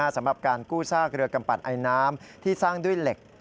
สำหรับการกู้ซากเรือกำปัดไอน้ำที่สร้างด้วยเหล็ก